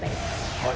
はい。